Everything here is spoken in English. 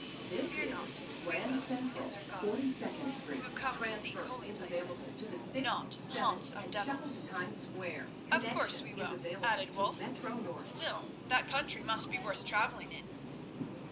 "Fear not; we will," answered Godwin, "who come to seek holy places—not haunts of devils." "Of course we will," added Wulf. "Still, that country must be worth travelling in."